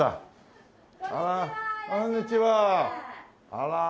あら。